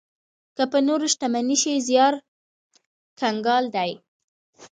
که په نوره شتمنۍ شي، زيار کنګال دی.